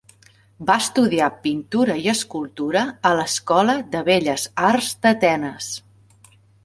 Va estudiar pintura i escultura a l'Escola de Belles Arts d'Atenes.